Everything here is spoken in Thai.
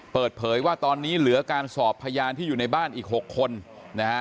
เปิดเผยว่าตอนนี้เหลือการสอบพยานที่อยู่ในบ้านอีก๖คนนะฮะ